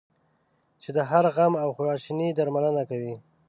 چې د هر غم او خواشینی درملنه کوي.